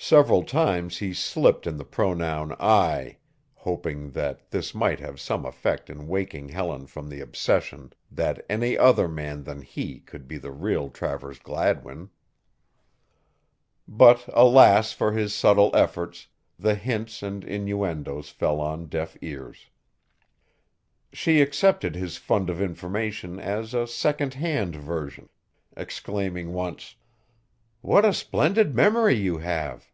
Several times he slipped in the pronoun I, hoping that this might have some effect in waking Helen from the obsession that any other than he could be the real Travers Gladwin. But alas! for his subtle efforts, the hints and innuendoes fell on deaf ears. She accepted his fund of information as a second hand version, exclaiming once: "What a splendid memory you have!"